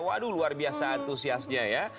waduh luar biasa antusiasnya ya